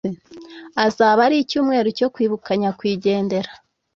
Azaba arikimweru cyokwibuka nyakwigendera